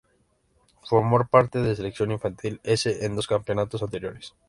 Formó parte de la selección infantil "C" en dos campeonatos anteriores.